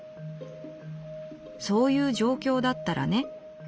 『そういう状況だったらね』」。